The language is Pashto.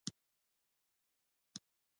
کاروانسرایونه هوټل شوي دي.